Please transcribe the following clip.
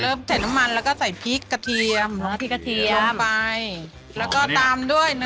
เริ่มใส่น้ำมันแล้วก็ใส่พริกกระเทียม